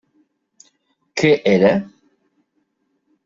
Què era?